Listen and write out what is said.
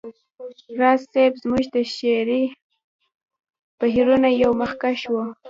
راز صيب زموږ د شعري بهیرونو یو مخکښ و